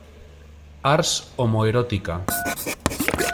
Ars homoerótica.